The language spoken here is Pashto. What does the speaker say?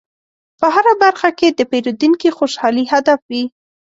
په هره برخه کې د پیرودونکي خوشحالي هدف وي.